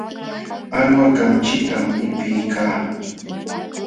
Alwa kamchitam qipiykaa.